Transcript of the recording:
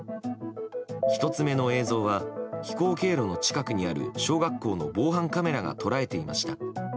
１つ目の映像は飛行経路の近くにある小学校の防犯カメラが捉えていました。